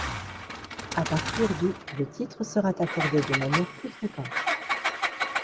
À partir du le titre sera accordé de manière plus fréquente.